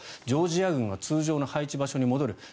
ジョージア軍は通常の配置場所に戻る。